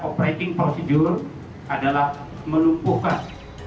proses operasi adalah melumpuhkan